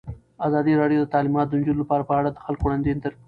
ازادي راډیو د تعلیمات د نجونو لپاره په اړه د خلکو وړاندیزونه ترتیب کړي.